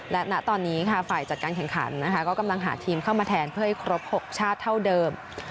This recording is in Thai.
และณตอนนี้ค่ะฝ่ายจัดการแข่งขันนะคะก็กำลังหาทีมเข้ามาแทนเพื่อให้ครบ๖ชาติเท่าเดิม